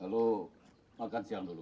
hai kalau makan siang dulu